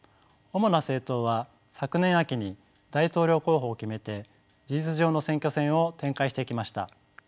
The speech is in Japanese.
主な政党は昨年秋に大統領候補を決めて事実上の選挙戦を展開していきました。